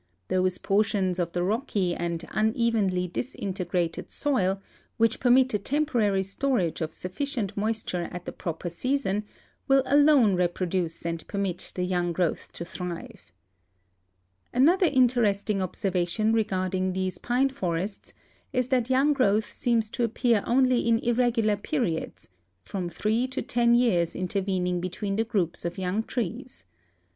Those portions of the rocky and unevenly disintegrated soil which permit a temporary storage of sufficient moisture at the proper season will alone reproduce and permit the young growth to thrive. Another interesting observation regarding these pine forests is that young growth seems to appear only in irregular periods, from three to ten years intervening between the groups of young trees.